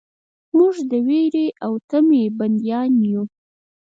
موږ د ویرې او طمعې بندیان یو.